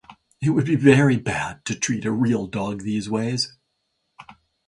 It would be very bad to treat a real dog these ways.